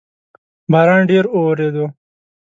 باران ډیر اوورېدو